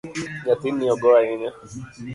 Nyathini ogo ahinya.